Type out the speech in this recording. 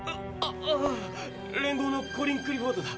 ああ連合のコリン・クリフォードだ。